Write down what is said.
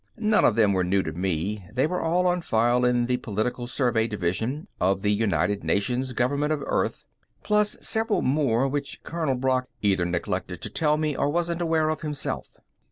None of them were new to me; they were all on file in the Political Survey Division of the United Nations Government on Earth, plus several more which Colonel Brock either neglected to tell me or wasn't aware of himself.